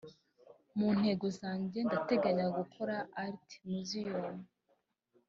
mu ntego zanjye ndateganya gukora Art Museum